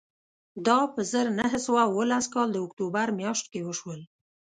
دا په زر نه سوه اوولس کال د اکتوبر میاشت کې وشول